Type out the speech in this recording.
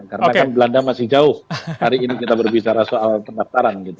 karena kan belanda masih jauh hari ini kita berbicara soal pendaftaran gitu